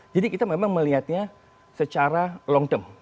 jadi kita memang melihatnya secara long term